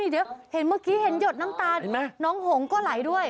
เดี๋ยวเห็นเมื่อกี้เห็นหยดน้ำตาลน้องหงก็ไหลด้วย